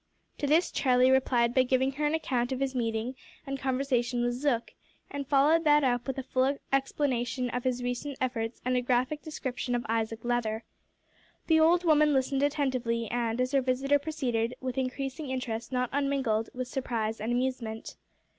To this Charlie replied by giving her an account of his meeting and conversation with Zook, and followed that up with a full explanation of his recent efforts and a graphic description of Isaac Leather. The old woman listened attentively, and, as her visitor proceeded, with increasing interest not unmingled with surprise and amusement.